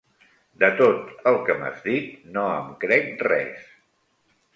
De tot el que m'has dit, no em crec res.